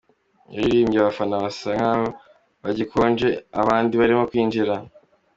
Yaririmbye abafana basa nkaho bagikonje abandi barimo kwinjira.